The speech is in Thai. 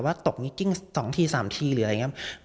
ว่าตกนิ๊กกิ้งสองทีสามทีหรืออะไรอย่างนี้